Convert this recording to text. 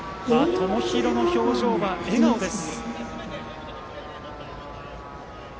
友廣の表情は笑顔です。